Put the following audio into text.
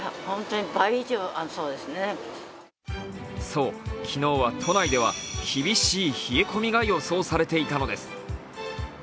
そう、昨日は都内では厳しい冷え込みが予想されていたのです。